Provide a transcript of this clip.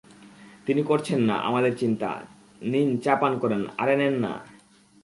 তিনি করছেন না আমাদের চিন্তা, নিন চা পান করেন, আরে নেন না।